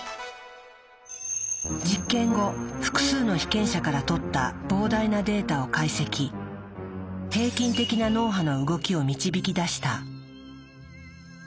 実験後複数の被験者からとった膨大なデータを解析。を導き出した。